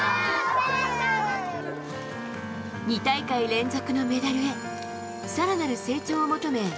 ２大会連続のメダルへ更なる成長を求め